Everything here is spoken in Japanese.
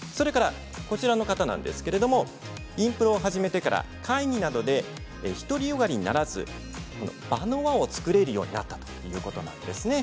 こちらの方はインプロを始めてから会議などで独り善がりにならずに場の和を作れるようになったということです。